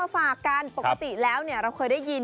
ปกติแล้วเนี่ยเราเคยได้ยิน